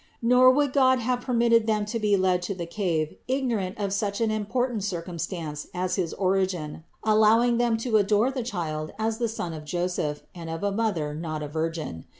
Nor would God have permitted them to be led to the cave ignorant of such an important circumstance as his origin, allowing them to adore the THE INCARNATION 473 Child as the son of Joseph and of a Mother not a Virgin.